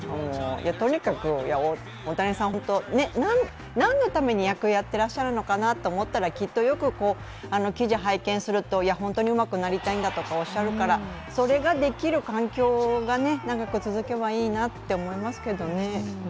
とにかく大谷さん、本当なんのために野球やってらっしゃるのかなって考えたらきっと、よく記事を拝見すると本当にうまくなりたいんだとかおっしゃるから、それができる環境が長く続けばいいなって思いますけどね。